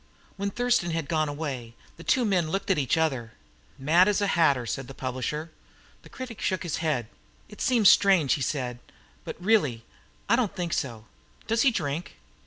When Thurston had gone away the two men looked at each other. "Mad as a hatter!" said the publisher. The critic shook his head. "It seems strange," he said; "but, really, I don't think so. Does he drink?"